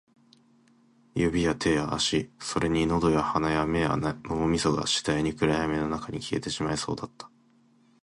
指や手や足、それに喉や鼻や目や脳みそが、次第に暗闇の中に消えてしまいそうだった